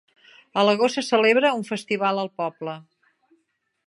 A l'agost se celebra un festival al poble.